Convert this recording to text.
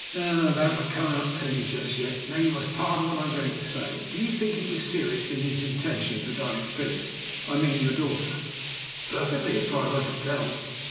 "Ah, that I cannot tell you just yet. Now you must pardon what I am going to say: do you think he was serious in his intentions regarding Phyllis I mean your daughter?" "Perfectly, as far as I could tell.